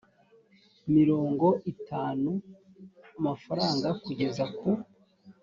mirongo itanu frw kugeza ku